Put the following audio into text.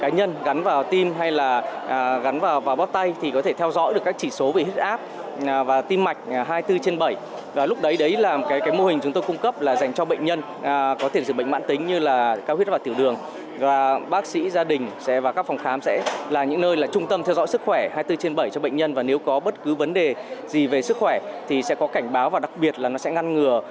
nếu có bất cứ vấn đề gì về sức khỏe thì sẽ có cảnh báo và đặc biệt là nó sẽ ngăn ngừa